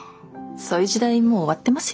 そういう時代もう終わってますよ。